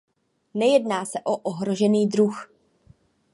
Nejedná se o ohrožený druh.